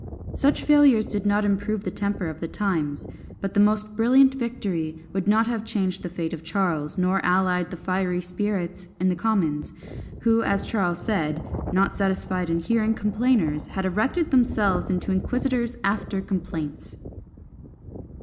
Such failures did not improve the temper of the times; but the most brilliant victory would not have changed the fate of Charles, nor allayed the fiery spirits in the commons, who, as Charles said, "not satisfied in hearing complainers, had erected themselves into inquisitors after complaints."